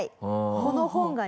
この本がですね